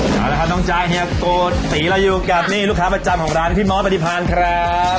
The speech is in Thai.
สวัสดีครับน้องจ้ายโกติเราอยู่กับลูกค้าประจำของร้านพี่มอสปฏิพันธ์ครับ